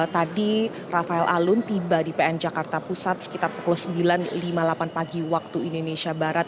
tadi rafael alun tiba di pn jakarta pusat sekitar pukul sembilan lima puluh delapan pagi waktu indonesia barat